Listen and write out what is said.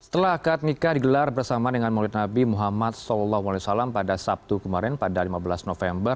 setelah akad nikah digelar bersama dengan maulid nabi muhammad saw pada sabtu kemarin pada lima belas november